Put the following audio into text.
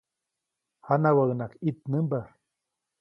Janawäʼuŋnaʼajk ʼitnämba.